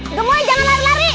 eh gemoy jangan lari lari